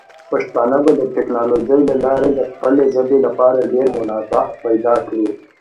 پښتانه به د ټیکنالوجۍ له لارې د خپلې ژبې لپاره ډیر منابع پیدا کړي.